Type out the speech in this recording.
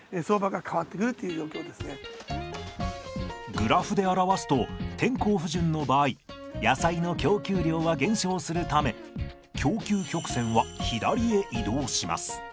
グラフで表すと天候不順の場合野菜の供給量は減少するため供給曲線は左へ移動します。